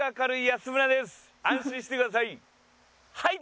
安心してください